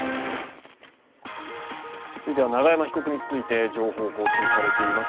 続いて永山被告について情報更新されています。